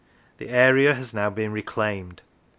The area has now been reclaimed.